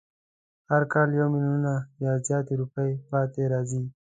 هر کال یو میلیونه یا زیاتې روپۍ پاتې راځي.